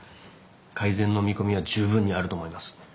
改善の見込みはじゅうぶんにあると思います。